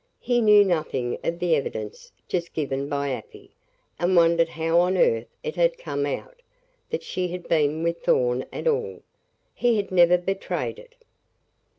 He knew nothing of the evidence just given by Afy, and wondered how on earth it had come out that she had been with Thorn at all. He had never betrayed it.